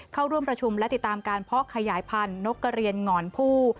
เข้าร่วมประชุมและติดตามการเพาะขยายพันธุ์นกกระเรียนหงอนผู้